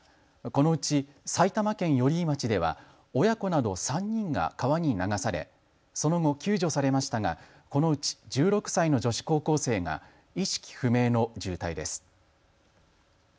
このうち埼玉県寄居町では親子など３人が川に流されその後、救助されましたがこのうち１６歳の女子高校生が意識不明の重体です。